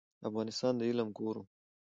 افغانستان د علم کور و.